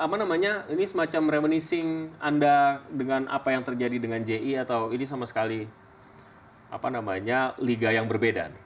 apa namanya ini semacam remonising anda dengan apa yang terjadi dengan ji atau ini sama sekali liga yang berbeda